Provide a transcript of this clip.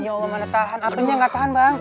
ya allah mana tahan apanya gak tahan bang